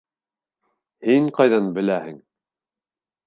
Һин ҡайҙан беләһең?